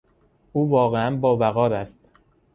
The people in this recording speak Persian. او واقعا با وقار است.